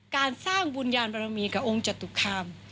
การสร้างบุญญาณประมาณมีกับองค์จัดตุ๊กคาม